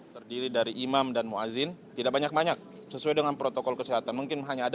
terdiri dari imam dan muazzin tidak banyak banyak sesuai dengan protokol kesehatan mungkin hanya ada